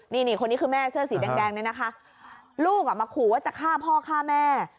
นี่คนนี้คือแม่เสื้อสีแดงเนี่ยนะคะลูกอ่ะมาขู่ว่าจะฆ่าพ่อฆ่าแม่